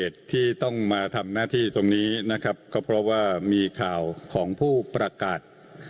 ที่ต้องมาทำหน้าที่ตรงนี้นะครับก็เพราะว่ามีข่าวของผู้ประกาศ